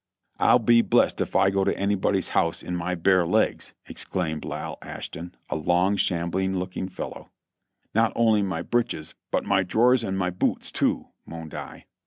"I'll be blessed if I go to anybody's house in my bare legs!" ex claimed Lai. Ashton, a long, shambling looking fellow. "Not only my breeches, but my drawers and my boots tool" moaned I.